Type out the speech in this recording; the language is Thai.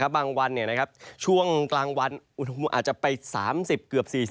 บางวันเนี่ยช่วงกลางวันอาจจะไป๓๐เกือบ๔๐